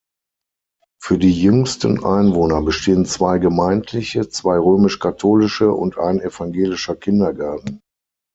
Für die jüngsten Einwohner bestehen zwei gemeindliche, zwei römisch-katholische und ein evangelischer Kindergarten.